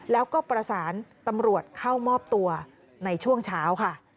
แล้วก็ประสานตำรวจเข้ามอบตัวในช่วงเช้าค่ะ